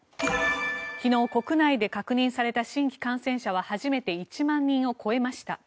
昨日、国内で確認された新規感染者は初めて１万人を超えました。